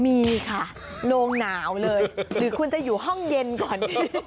มีค่ะโรงหนาวเลยหรือคุณจะอยู่ห้องเย็นก่อนดี